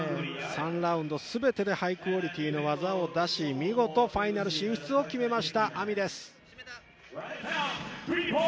３ラウンド全てでハイクオリティーの技を出し、見事ファイナル進出を決めましたＡＭＩです。